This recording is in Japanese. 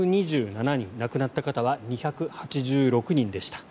亡くなった方は２８６人でした。